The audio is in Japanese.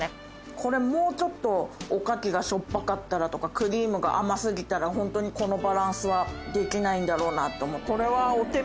これもうちょっとおかきがしょっぱかったらとかクリームが甘過ぎたらホントにこのバランスはできないんだろうなと。